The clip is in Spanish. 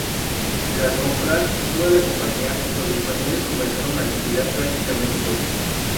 Tras comprar toda la compañía los españoles comenzaron a liquidar prácticamente todo.